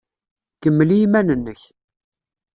Kemmel i yiman-nnek.